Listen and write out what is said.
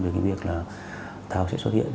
và tôi cũng biết là thao sẽ xuất hiện